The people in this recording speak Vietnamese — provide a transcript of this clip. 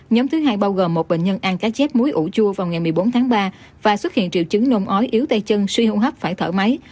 nhóm thứ hai bao gồm một bệnh nhân ăn cá chép muối ủ chua vào ngày một mươi bốn tháng ba và xuất hiện triệu chứng nôn ói yếu tay chân suy hô hấp phải thở máy